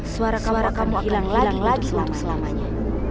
suara kamu akan hilang lagi selama lamanya